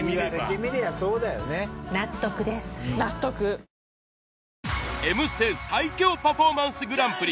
東芝『Ｍステ』最強パフォーマンスグランプリ